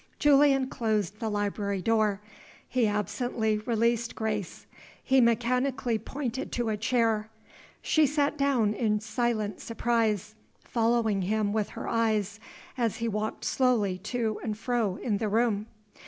Julian closed the library door. He absently released Grace; he mechanically pointed to a chair. She sat down in silent surprise, following him with her eyes as he walked slowly to and fro in the room.